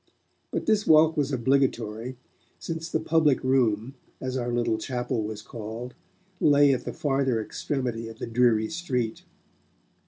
But this walk was obligatory, since the 'Public Room', as our little chapel was called, lay at the farther extremity of the dreary street.